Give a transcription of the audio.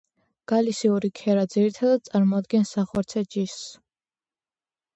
გალისიური ქერა ძირითადად წარმოადგენს სახორცე ჯიშს.